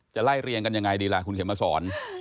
ไล่เรียงกันยังไงดีล่ะคุณเข็มมาสอน